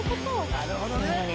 なるほどね。